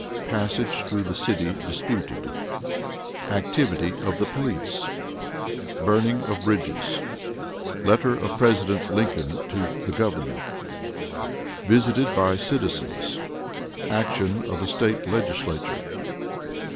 Passage through the City disputed. Activity of the Police. Burning of Bridges. Letter of President Lincoln to the Governor. Visited by Citizens. Action of the State Legislature.